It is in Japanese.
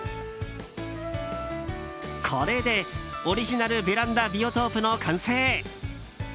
これでオリジナルベランダビオトープの完成！